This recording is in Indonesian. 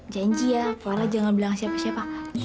janji ya mpo ella jangan bilang siapa siapa